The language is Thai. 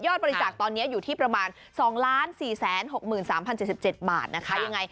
บริจาคตอนนี้อยู่ที่ประมาณ๒๔๖๓๐๗๗บาทนะคะยังไง